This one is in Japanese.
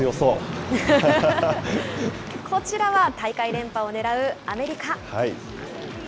こちらは大会連覇をねらうアメリカ。